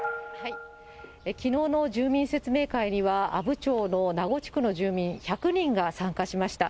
きのうの住民説明会には、阿武町のなご地区の住民１００人が参加しました。